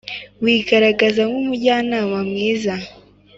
wigaragaza nk’umujyanama mwiza,